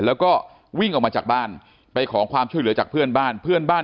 แล้วก็วิ่งออกมาจากบ้านไปขอความช่วยเหลือจากเพื่อนบ้านเพื่อนบ้าน